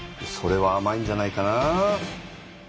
それはあまいんじゃないかな？